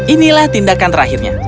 inilah tindakan terakhirnya